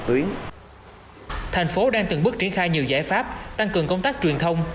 ủy thành phố đang từng bước triển khai nhiều giải pháp tăng cường công tác truyền thông